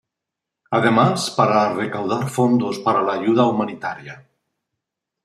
Además, para recaudar fondos para la ayuda humanitaria.